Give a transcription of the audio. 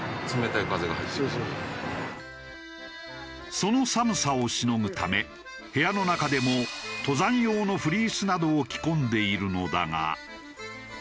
その寒さをしのぐため部屋の中でも登山用のフリースなどを着込んでいるのだが。